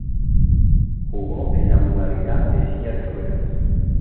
Jugó en la modalidad de silla de ruedas.